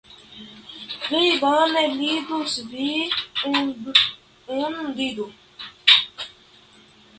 Pli bone ludis vi, hundido.